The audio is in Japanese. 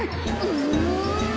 うん。